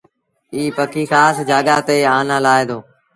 ايٚ پکي کآس جآڳآ تي آنآ لآهي دو۔